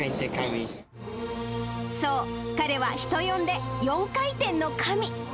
そう、彼は人呼んで、４回転の神。